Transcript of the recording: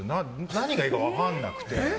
何がいいか分からなくて。